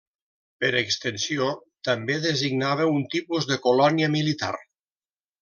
Per extensió, també designava un tipus de colònia militar.